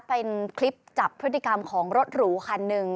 เป็นคลิปจับพฤติกรรมของรถหรูคันหนึ่ง